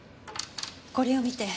これを見て。